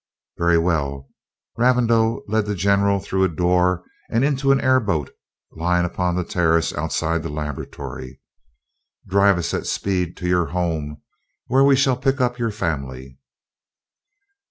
"Very well." Ravindau led the general through a door and into an airboat lying upon the terrace outside the laboratory. "Drive us at speed to your home, where we shall pick up your family."